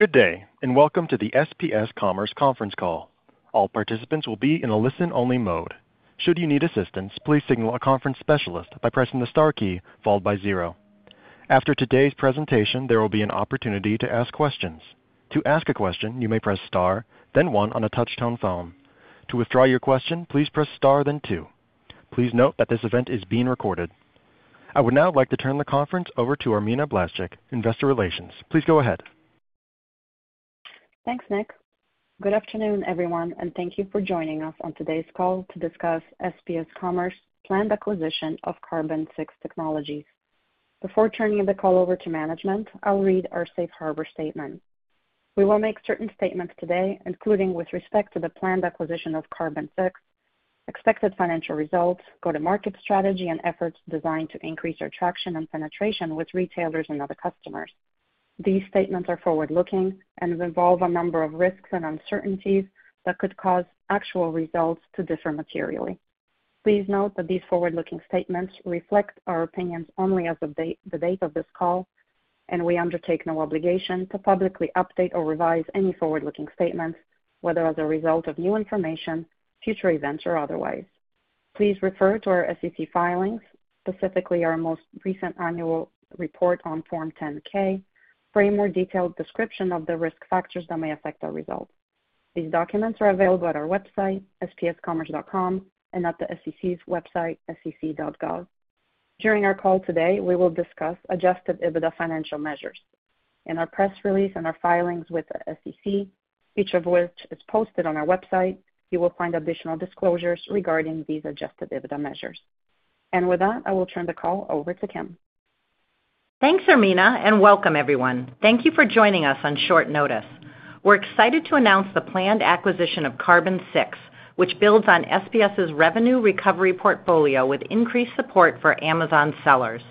Good day, and welcome to the SPS Commerce Conference Call. All participants will be in a listen-only mode. Should you need assistance, please signal a conference specialist by pressing the star key followed by zero. After today's presentation, there will be an opportunity to ask questions. To ask a question, you may press star, then one on a touch-tone phone. To withdraw your question, please press star, then two. Please note that this event is being recorded. I would now like to turn the conference over to Irmina Blaszczyk, Investor Relations. Please go ahead. Thanks, Nick. Good afternoon, everyone, and thank you for joining us on today's call to discuss SPS Commerce's planned acquisition of Carbon6. Before turning the call over to management, I'll read our Safe Harbor Statement. We will make certain statements today, including with respect to the planned acquisition of Carbon6, expected financial results, go-to-market strategy, and efforts designed to increase our traction and penetration with retailers and other customers. These statements are forward-looking and involve a number of risks and uncertainties that could cause actual results to differ materially. Please note that these forward-looking statements reflect our opinions only as of the date of this call, and we undertake no obligation to publicly update or revise any forward-looking statements, whether as a result of new information, future events, or otherwise. Please refer to our SEC filings, specifically our most recent annual report on Form 10-K, for a more detailed description of the risk factors that may affect our results. These documents are available at our website, spscommerce.com, and at the SEC's website, sec.gov. During our call today, we will discuss Adjusted EBITDA financial measures. In our press release and our filings with the SEC, each of which is posted on our website, you will find additional disclosures regarding these Adjusted EBITDA measures. And with that, I will turn the call over to Kim. Thanks, Irmina, and welcome, everyone. Thank you for joining us on short notice. We're excited to announce the planned acquisition of Carbon6, which builds on SPS's revenue recovery portfolio with increased support for Amazon sellers.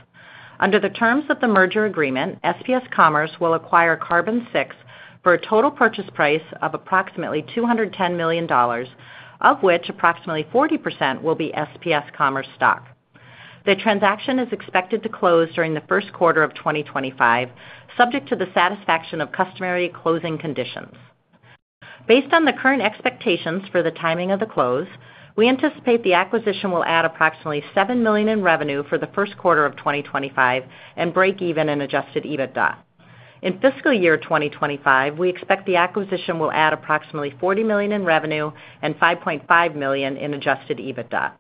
Under the terms of the merger agreement, SPS Commerce will acquire Carbon6 for a total purchase price of approximately $210 million, of which approximately 40% will be SPS Commerce stock. The transaction is expected to close during the first quarter of 2025, subject to the satisfaction of customary closing conditions. Based on the current expectations for the timing of the close, we anticipate the acquisition will add approximately $7 million in revenue for the first quarter of 2025 and break even in Adjusted EBITDA. In fiscal year 2025, we expect the acquisition will add approximately $40 million in revenue and $5.5 million in Adjusted EBITDA.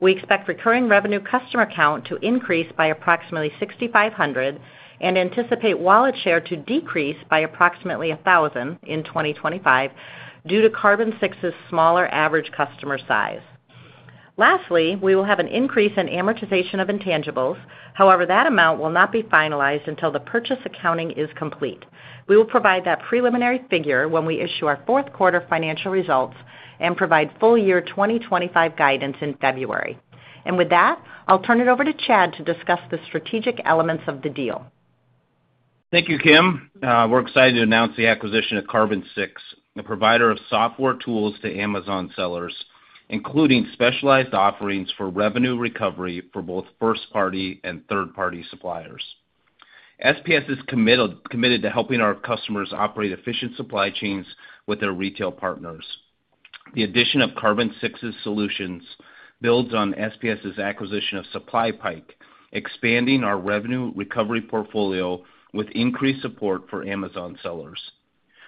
We expect recurring revenue customer count to increase by approximately $6,500 and anticipate wallet share to decrease by approximately $1,000 in 2025 due to Carbon6's smaller average customer size. Lastly, we will have an increase in amortization of intangibles. However, that amount will not be finalized until the purchase accounting is complete. We will provide that preliminary figure when we issue our fourth quarter financial results and provide full year 2025 guidance in February. With that, I'll turn it over to Chad to discuss the strategic elements of the deal. Thank you, Kim. We're excited to announce the acquisition of Carbon6, a provider of software tools to Amazon sellers, including specialized offerings for revenue recovery for both first-party and third-party suppliers. SPS is committed to helping our customers operate efficient supply chains with their retail partners. The addition of Carbon6's solutions builds on SPS's acquisition of SupplyPike, expanding our revenue recovery portfolio with increased support for Amazon sellers.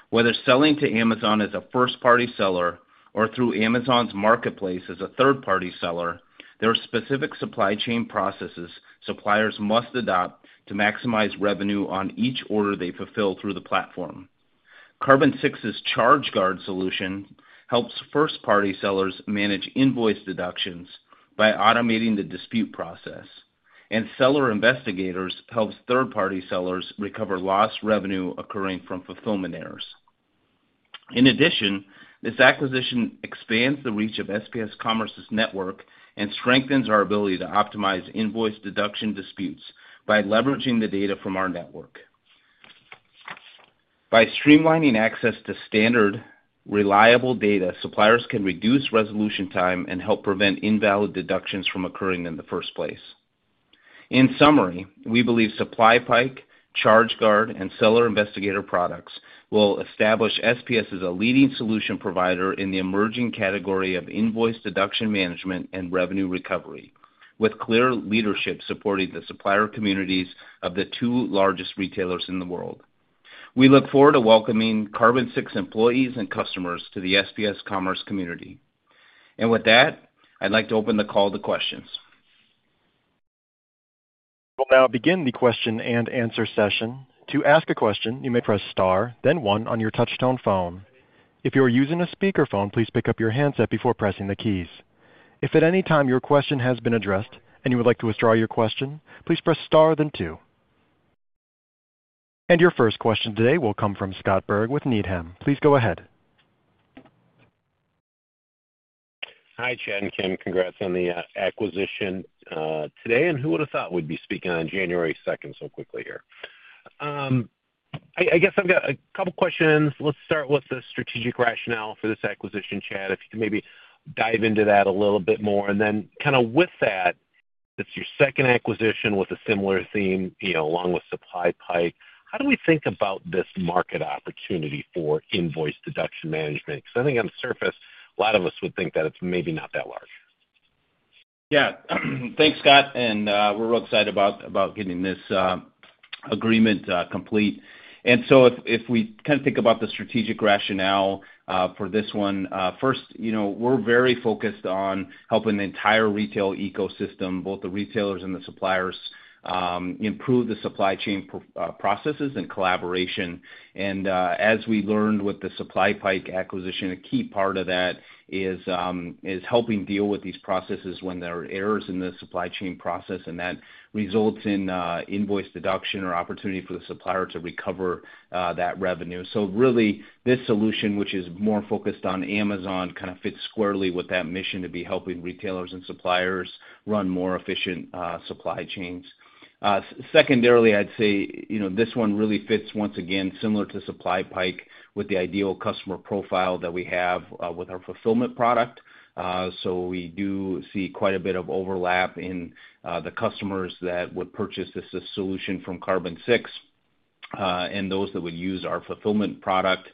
Whether selling to Amazon as a first-party seller or through Amazon Marketplace as a third-party seller, there are specific supply chain processes suppliers must adopt to maximize revenue on each order they fulfill through the platform. Carbon6's ChargeGuard solution helps first-party sellers manage invoice deductions by automating the dispute process, and Seller Investigators helps third-party sellers recover lost revenue occurring from fulfillment errors. In addition, this acquisition expands the reach of SPS Commerce's network and strengthens our ability to optimize invoice deduction disputes by leveraging the data from our network. By streamlining access to standard, reliable data, suppliers can reduce resolution time and help prevent invalid deductions from occurring in the first place. In summary, we believe SupplyPike, ChargeGuard, and Seller Investigators products will establish SPS as a leading solution provider in the emerging category of invoice deduction management and revenue recovery, with clear leadership supporting the supplier communities of the two largest retailers in the world. We look forward to welcoming Carbon6 employees and customers to the SPS Commerce community. And with that, I'd like to open the call to questions. We will now begin the question and answer session. To ask a question, you may press star, then one on your touch-tone phone. If you are using a speakerphone, please pick up your handset before pressing the keys. If at any time your question has been addressed and you would like to withdraw your question, please press star, then two. And your first question today will come from Scott Berg with Needham. Please go ahead. Hi, Chad and Kim. Congrats on the acquisition today, and who would have thought we'd be speaking on January 2nd so quickly here? I guess I've got a couple of questions. Let's start with the strategic rationale for this acquisition, Chad, if you could maybe dive into that a little bit more, and then kind of with that, it's your second acquisition with a similar theme, along with SupplyPike. How do we think about this market opportunity for invoice deduction management? Because I think on the surface, a lot of us would think that it's maybe not that large. Yeah. Thanks, Scott. And we're real excited about getting this agreement complete. And so if we kind of think about the strategic rationale for this one, first, we're very focused on helping the entire retail ecosystem, both the retailers and the suppliers, improve the supply chain processes and collaboration. And as we learned with the SupplyPike acquisition, a key part of that is helping deal with these processes when there are errors in the supply chain process, and that results in invoice deduction or opportunity for the supplier to recover that revenue. So really, this solution, which is more focused on Amazon, kind of fits squarely with that mission to be helping retailers and suppliers run more efficient supply chains. Secondarily, I'd say this one really fits, once again, similar to SupplyPike with the ideal customer profile that we have with our fulfillment product. So we do see quite a bit of overlap in the customers that would purchase this solution from Carbon6 and those that would use our fulfillment product.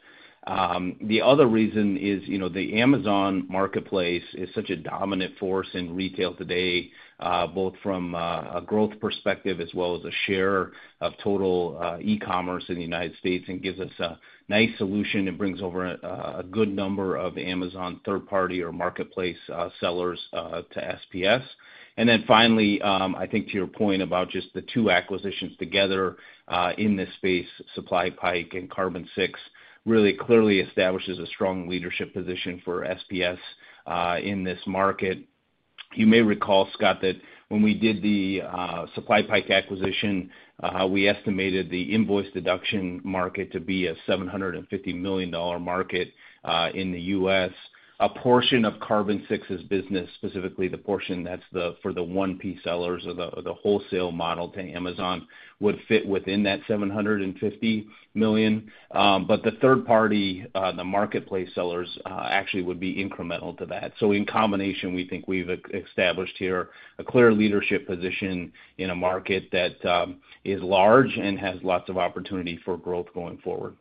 The other reason is the Amazon Marketplace is such a dominant force in retail today, both from a growth perspective as well as a share of total e-commerce in the United States, and gives us a nice solution and brings over a good number of Amazon third-party or marketplace sellers to SPS. And then finally, I think to your point about just the two acquisitions together in this space, SupplyPike and Carbon6, really clearly establishes a strong leadership position for SPS in this market. You may recall, Scott, that when we did the SupplyPike acquisition, we estimated the invoice deduction market to be a $750 million market in the U.S. A portion of Carbon6's business, specifically the portion that's for the 1P sellers or the wholesale model to Amazon, would fit within that $750 million. But the third-party, the marketplace sellers, actually would be incremental to that. So in combination, we think we've established here a clear leadership position in a market that is large and has lots of opportunity for growth going forward.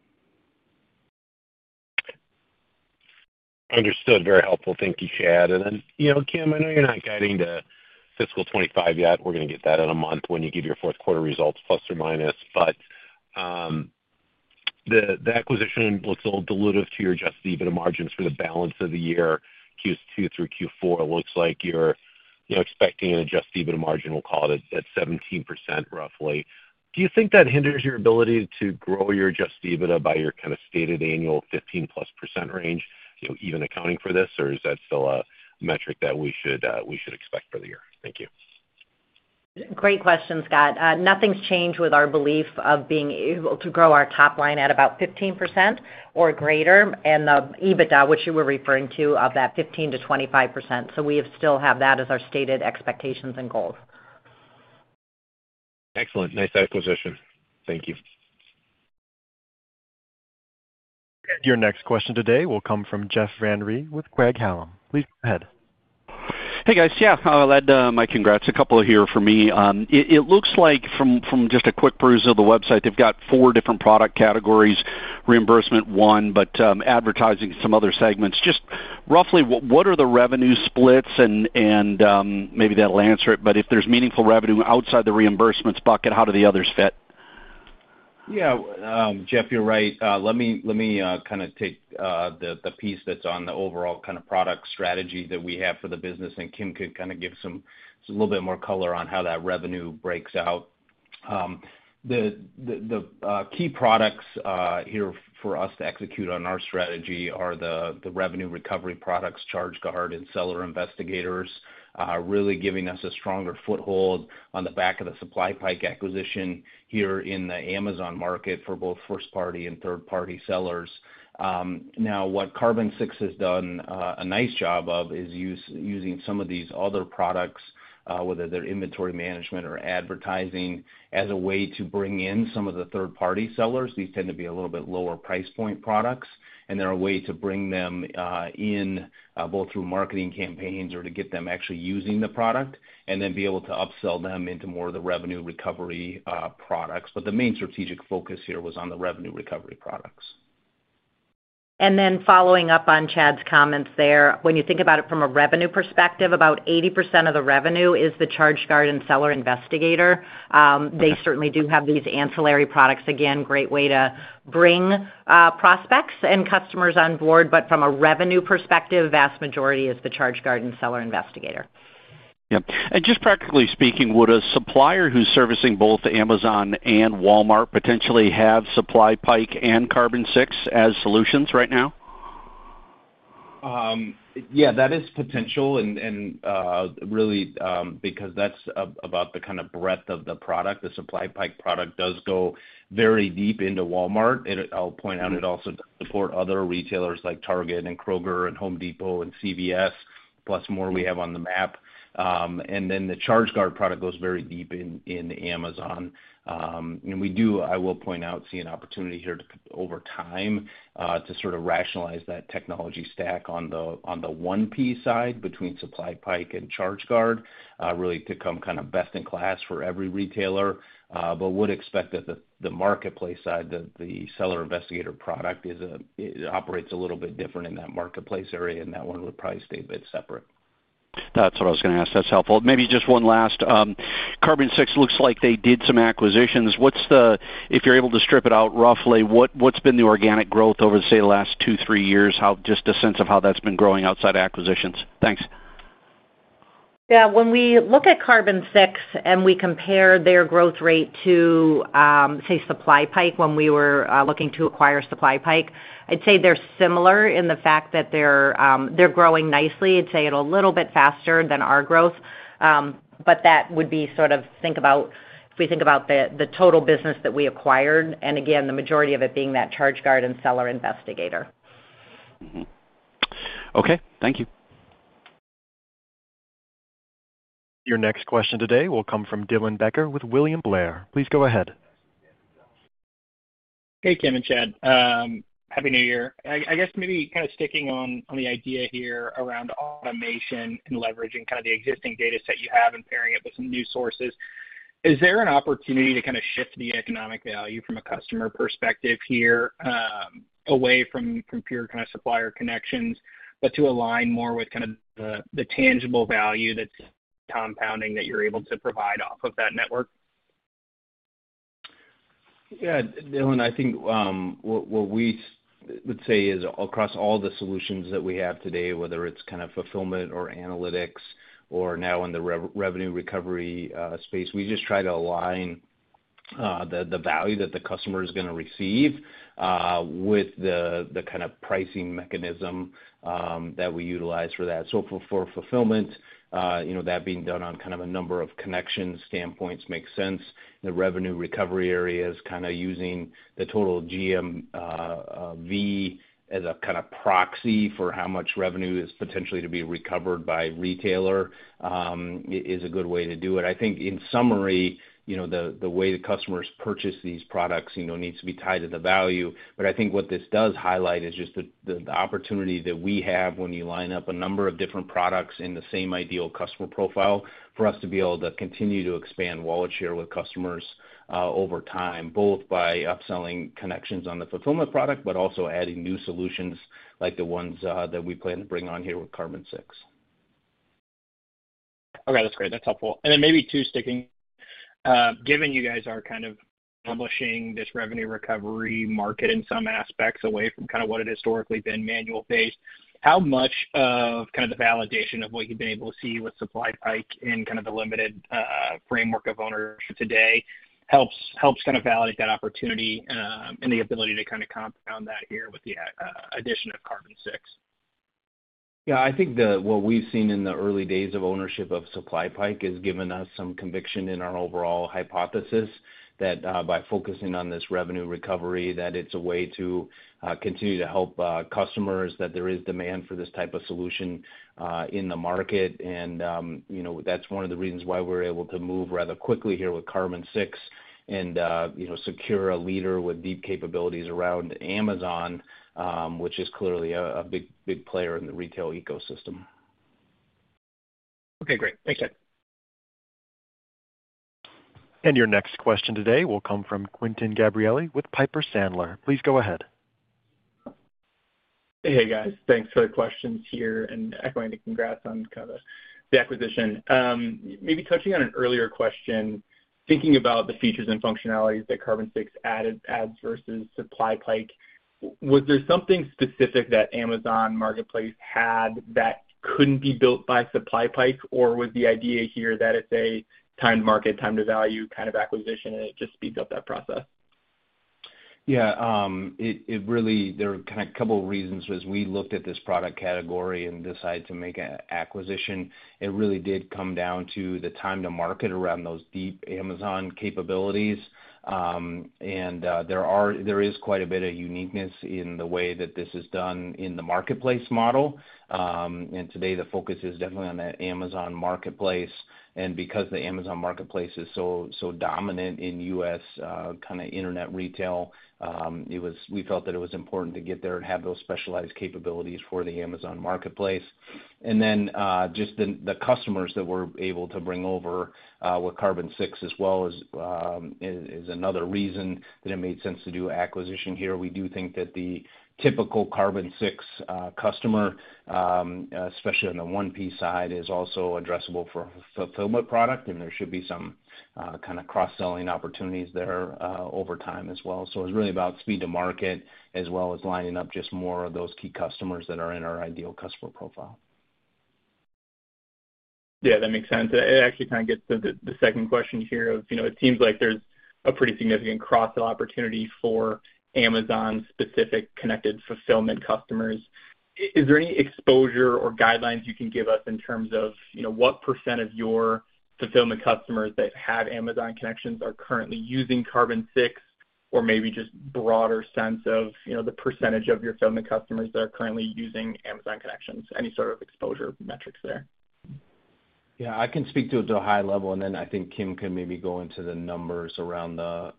Understood. Very helpful. Thank you, Chad. And then, Kim, I know you're not guiding to fiscal 25 yet. We're going to get that in a month when you give your fourth quarter results, plus or minus. But the acquisition looks a little dilutive to your adjusted EBITDA margins for the balance of the year, Q2 through Q4. It looks like you're expecting an adjusted EBITDA margin, we'll call it, at 17% roughly. Do you think that hinders your ability to grow your adjusted EBITDA by your kind of stated annual 15-plus% range, even accounting for this? Or is that still a metric that we should expect for the year? Thank you. Great question, Scott. Nothing's changed with our belief of being able to grow our top line at about 15% or greater and the EBITDA, which you were referring to, of that 15%-25%. So we still have that as our stated expectations and goals. Excellent. Nice acquisition. Thank you. Your next question today will come from Jeff Van Rhee with Craig-Hallum Capital Group. Please go ahead. Hey, guys. Yeah, I'll add my congrats to a couple here for me. It looks like from just a quick peruse of the website, they've got four different product categories: reimbursement one, but advertising some other segments. Just roughly, what are the revenue splits? And maybe that'll answer it. But if there's meaningful revenue outside the reimbursements bucket, how do the others fit? Yeah, Jeff, you're right. Let me kind of take the piece that's on the overall kind of product strategy that we have for the business, and Kim could kind of give some a little bit more color on how that revenue breaks out. The key products here for us to execute on our strategy are the revenue recovery products, ChargeGuard, and Seller Investigators, really giving us a stronger foothold on the back of the SupplyPike acquisition here in the Amazon market for both first-party and third-party sellers. Now, what Carbon6 has done a nice job of is using some of these other products, whether they're inventory management or advertising, as a way to bring in some of the third-party sellers. These tend to be a little bit lower price point products. They're a way to bring them in both through marketing campaigns or to get them actually using the product and then be able to upsell them into more of the revenue recovery products. The main strategic focus here was on the revenue recovery products. Then following up on Chad's comments there, when you think about it from a revenue perspective, about 80% of the revenue is the ChargeGuard and Seller Investigators. They certainly do have these ancillary products. Again, great way to bring prospects and customers on board. But from a revenue perspective, the vast majority is the ChargeGuard and Seller Investigators. Yeah. And just practically speaking, would a supplier who's servicing both Amazon and Walmart potentially have SupplyPike and Carbon6 as solutions right now? Yeah, that is potential. And really, because that's about the kind of breadth of the product, the SupplyPike product does go very deep into Walmart. I'll point out it also does support other retailers like Target and Kroger and Home Depot and CVS, plus more we have on the map. And then the ChargeGuard product goes very deep in Amazon. And we do, I will point out, see an opportunity here over time to sort of rationalize that technology stack on the 1P side between SupplyPike and ChargeGuard, really to come kind of best in class for every retailer. But would expect that the marketplace side, the Seller Investigators product, operates a little bit different in that marketplace area, and that one would probably stay a bit separate. That's what I was going to ask. That's helpful. Maybe just one last. Carbon6 looks like they did some acquisitions. If you're able to strip it out roughly, what's been the organic growth over, say, the last two, three years? Just a sense of how that's been growing outside acquisitions. Thanks. Yeah. When we look at Carbon6 and we compare their growth rate to, say, SupplyPike when we were looking to acquire SupplyPike, I'd say they're similar in the fact that they're growing nicely. It's a little bit faster than our growth. But that would be sort of think about if we think about the total business that we acquired, and again, the majority of it being that ChargeGuard and Seller Investigators. Okay. Thank you. Your next question today will come from Dylan Becker with William Blair. Please go ahead. Hey, Kim and Chad. Happy New Year. I guess maybe kind of sticking on the idea here around automation and leveraging kind of the existing data set you have and pairing it with some new sources, is there an opportunity to kind of shift the economic value from a customer perspective here away from pure kind of supplier connections, but to align more with kind of the tangible value that's compounding that you're able to provide off of that network? Yeah. Dylan, I think what we would say is across all the solutions that we have today, whether it's kind of fulfillment or analytics or now in the revenue recovery space, we just try to align the value that the customer is going to receive with the kind of pricing mechanism that we utilize for that. So for fulfillment, that being done on kind of a number of connection standpoints makes sense. The revenue recovery area is kind of using the total GMV as a kind of proxy for how much revenue is potentially to be recovered by retailer is a good way to do it. I think in summary, the way the customers purchase these products needs to be tied to the value. But I think what this does highlight is just the opportunity that we have when you line up a number of different products in the same ideal customer profile for us to be able to continue to expand wallet share with customers over time, both by upselling connections on the fulfillment product, but also adding new solutions like the ones that we plan to bring on here with Carbon6. Okay. That's great. That's helpful. And then maybe two sticking. Given you guys are kind of accomplishing this revenue recovery market in some aspects away from kind of what it historically has been manual-based, how much of kind of the validation of what you've been able to see with SupplyPike in kind of the limited framework of ownership today helps kind of validate that opportunity and the ability to kind of compound that here with the addition of Carb? Yeah. I think what we've seen in the early days of ownership of SupplyPike has given us some conviction in our overall hypothesis that by focusing on this revenue recovery, that it's a way to continue to help customers, that there is demand for this type of solution in the market. And that's one of the reasons why we're able to move rather quickly here with Carbon6 and secure a leader with deep capabilities around Amazon, which is clearly a big player in the retail ecosystem. Okay. Great. Thanks, Chad. Your next question today will come from Quinton Gabrielli with Piper Sandler. Please go ahead. Hey, guys. Thanks for the questions here and echoing the congrats on kind of the acquisition. Maybe touching on an earlier question, thinking about the features and functionalities that Carbon6 adds versus SupplyPike, was there something specific that Amazon Marketplace had that couldn't be built by SupplyPike, or was the idea here that it's a time-to-market, time-to-value kind of acquisition, and it just speeds up that process? Yeah. There were kind of a couple of reasons as we looked at this product category and decided to make an acquisition. It really did come down to the time-to-market around those deep Amazon capabilities, and there is quite a bit of uniqueness in the way that this is done in the marketplace model, and today, the focus is definitely on that Amazon Marketplace, and because the Amazon Marketplace is so dominant in U.S. kind of internet retail, we felt that it was important to get there and have those specialized capabilities for the Amazon Marketplace, and then just the customers that we're able to bring over with Carbon6 as well is another reason that it made sense to do acquisition here. We do think that the typical Carbon6 customer, especially on the 1P side, is also addressable for a fulfillment product, and there should be some kind of cross-selling opportunities there over time as well. So it's really about speed to market as well as lining up just more of those key customers that are in our ideal customer profile. Yeah. That makes sense. And it actually kind of gets to the second question here of it seems like there's a pretty significant cross-sell opportunity for Amazon-specific connected fulfillment customers. Is there any exposure or guidelines you can give us in terms of what % of your fulfillment customers that have Amazon connections are currently using Carbon6, or maybe just broader sense of the percentage of your fulfillment customers that are currently using Amazon connections? Any sort of exposure metrics there? Yeah. I can speak to it at a high level, and then I think Kim can maybe go into the numbers around the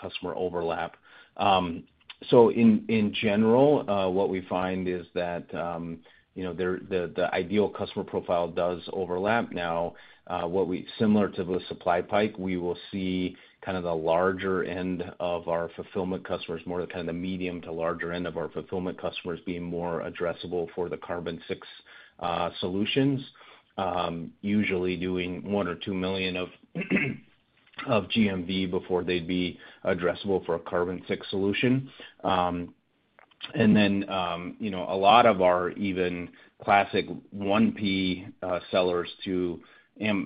customer overlap. So in general, what we find is that the ideal customer profile does overlap. Now, similar to the SupplyPike, we will see kind of the larger end of our fulfillment customers, more kind of the medium to larger end of our fulfillment customers being more addressable for the Carbon6 solutions, usually doing one or two million of GMV before they'd be addressable for a Carbon6 solution. And then a lot of our even classic 1P sellers to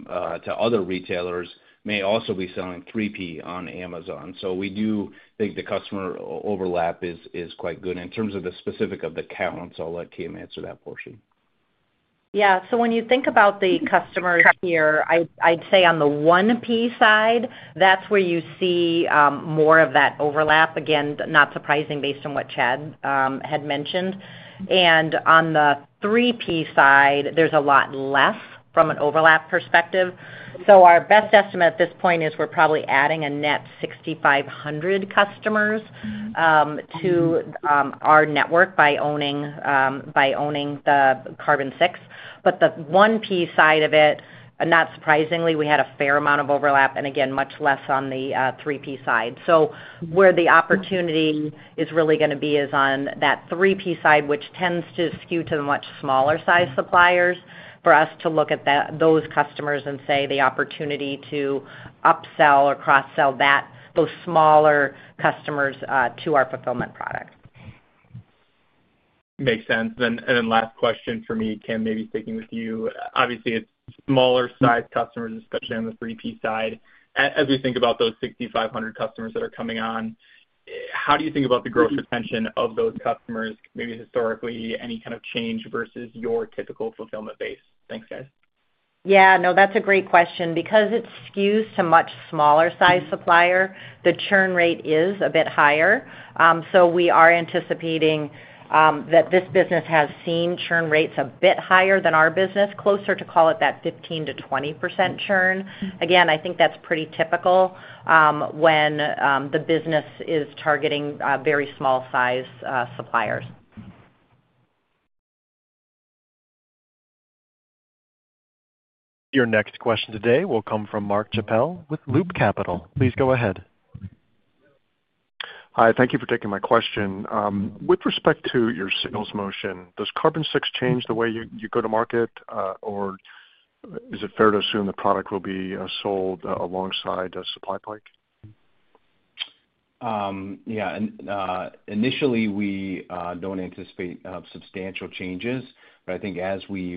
other retailers may also be selling 3P on Amazon. So we do think the customer overlap is quite good. In terms of the specific of the counts, I'll let Kim answer that portion. Yeah. So when you think about the customers here, I'd say on the 1P side, that's where you see more of that overlap. Again, not surprising based on what Chad had mentioned. And on the 3P side, there's a lot less from an overlap perspective. So our best estimate at this point is we're probably adding a net 6,500 customers to our network by owning the Carbon6. But the 1P side of it, not surprisingly, we had a fair amount of overlap, and again, much less on the 3P side. So where the opportunity is really going to be is on that 3P side, which tends to skew to the much smaller-sized suppliers for us to look at those customers and say the opportunity to upsell or cross-sell those smaller customers to our fulfillment product. Makes sense. And then last question for me, Kim, maybe sticking with you. Obviously, it's smaller-sized customers, especially on the 3P side. As we think about those 6,500 customers that are coming on, how do you think about the growth potential of those customers? Maybe historically, any kind of change versus your typical fulfillment base? Thanks, guys. Yeah. No, that's a great question. Because it skews to much smaller-sized supplier, the churn rate is a bit higher. So we are anticipating that this business has seen churn rates a bit higher than our business, closer to call it that 15%-20% churn. Again, I think that's pretty typical when the business is targeting very small-sized suppliers. Your next question today will come from Mark Schappell with Loop Capital. Please go ahead. Hi. Thank you for taking my question. With respect to your sales motion, does Carbon6 change the way you go to market, or is it fair to assume the product will be sold alongside SupplyPike? Yeah. Initially, we don't anticipate substantial changes. But I think as we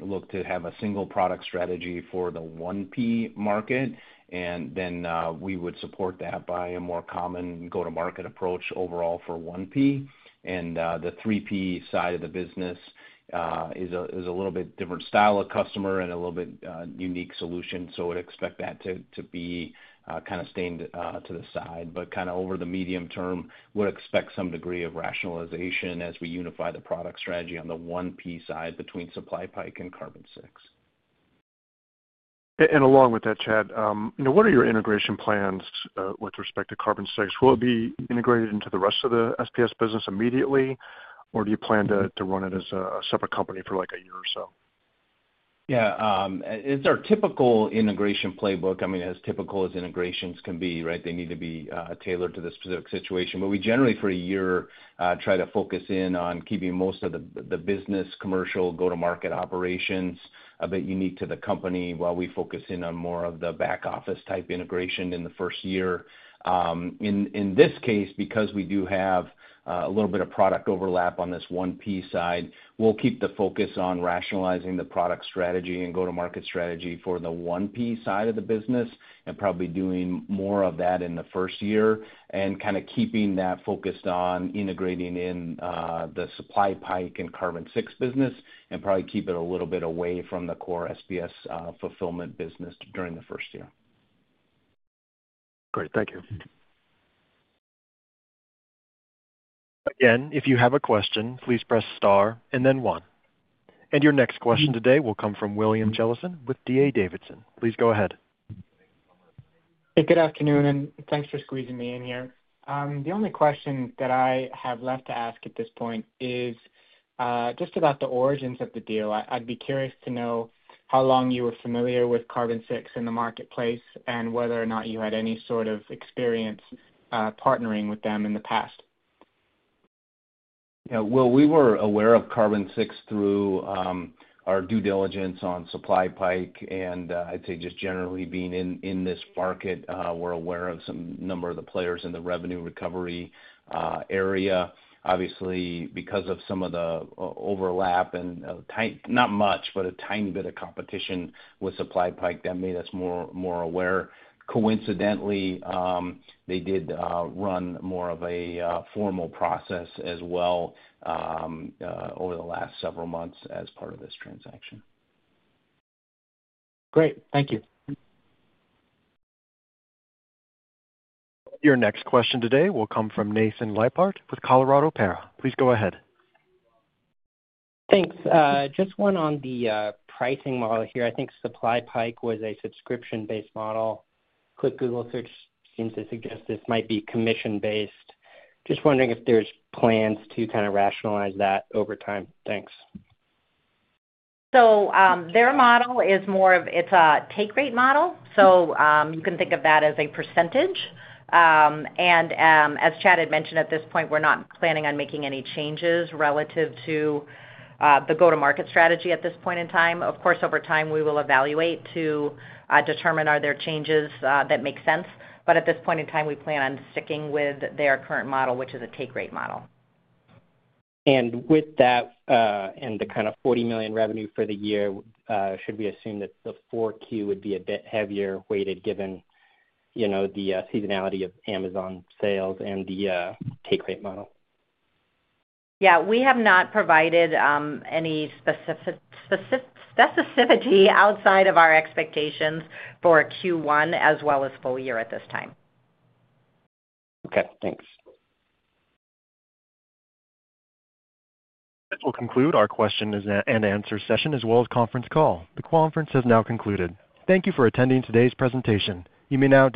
look to have a single product strategy for the 1P market, and then we would support that by a more common go-to-market approach overall for 1P. And the 3P side of the business is a little bit different style of customer and a little bit unique solution. So we'd expect that to be kind of staying to the side. But kind of over the medium term, we'd expect some degree of rationalization as we unify the product strategy on the 1P side between SupplyPike and Carbon6. And along with that, Chad, what are your integration plans with respect to Carbon6? Will it be integrated into the rest of the SPS business immediately, or do you plan to run it as a separate company for like a year or so? Yeah. It's our typical integration playbook. I mean, as typical as integrations can be, right? They need to be tailored to the specific situation. But we generally, for a year, try to focus in on keeping most of the business, commercial, go-to-market operations a bit unique to the company while we focus in on more of the back-office type integration in the first year. In this case, because we do have a little bit of product overlap on this 1P side, we'll keep the focus on rationalizing the product strategy and go-to-market strategy for the 1P side of the business and probably doing more of that in the first year and kind of keeping that focused on integrating in the SupplyPike and Carbon6 business and probably keep it a little bit away from the core SPS fulfillment business during the first year. Great. Thank you. Again, if you have a question, please press star and then one. And your next question today will come from William Jellison with D.A. Davidson. Please go ahead. Hey, good afternoon, and thanks for squeezing me in here. The only question that I have left to ask at this point is just about the origins of the deal. I'd be curious to know how long you were familiar with Carbon6 in the marketplace and whether or not you had any sort of experience partnering with them in the past. Yeah. Well, we were aware of Carbon6 through our due diligence on SupplyPike, and I'd say just generally being in this market, we're aware of some number of the players in the revenue recovery area. Obviously, because of some of the overlap and not much, but a tiny bit of competition with SupplyPike, that made us more aware. Coincidentally, they did run more of a formal process as well over the last several months as part of this transaction. Great. Thank you. Your next question today will come from Nathan Leiphardt with Canaccord Genuity. Please go ahead. Thanks. Just one on the pricing model here. I think SupplyPike was a subscription-based model. Quick Google search seems to suggest this might be commission-based. Just wondering if there's plans to kind of rationalize that over time? Thanks. So their model is more of it's a take-rate model. So you can think of that as a percentage. And as Chad had mentioned, at this point, we're not planning on making any changes relative to the go-to-market strategy at this point in time. Of course, over time, we will evaluate to determine are there changes that make sense. But at this point in time, we plan on sticking with their current model, which is a take-rate model. With that and the kind of $40 million revenue for the year, should we assume that the 4Q would be a bit heavier weighted given the seasonality of Amazon sales and the take-rate model? Yeah. We have not provided any specificity outside of our expectations for Q1 as well as full year at this time. Okay. Thanks. This will conclude our question and answer session as well as conference call. The conference has now concluded. Thank you for attending today's presentation. You may now.